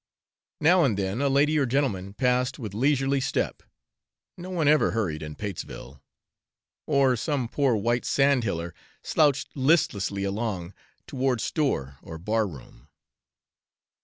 Now and then a lady or gentleman passed with leisurely step no one ever hurried in Patesville or some poor white sandhiller slouched listlessly along toward store or bar room.